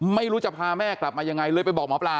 ไม่รู้จะพาแม่กลับมายังไงเลยไปบอกหมอปลา